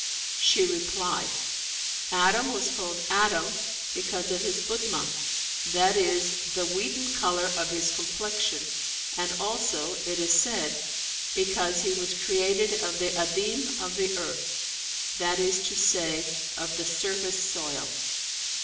She replied, "Adam was called Adam, because of his udmah, that is, the wheaten colour of his complexion and also (it is said) because he was created of the adim of the earth, that is to say, of the surface soil.